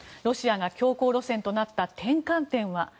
ロシアが強硬路線となった転換点とは。